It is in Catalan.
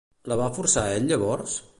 La va forçar ell llavors?